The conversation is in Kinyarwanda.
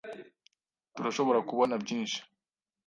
Turashobora kubona byinshi.